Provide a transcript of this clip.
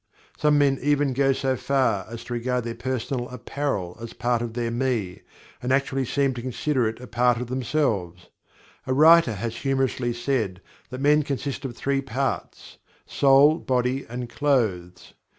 Some men even go so far as to regard their personal apparel as a part of their "Me" and actually seem to consider it a part of themselves. A writer has humorously said that "men consist of three parts soul, body and clothes."